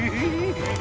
aku akan menang